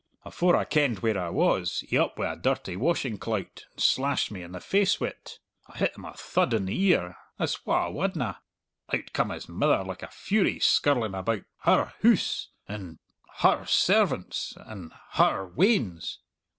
Afore I kenned where I was, he up wi' a dirty washing clout and slashed me in the face wi't! I hit him a thud in the ear as wha wadna? Out come his mither like a fury, skirling about her hoose, and her servants, and her weans.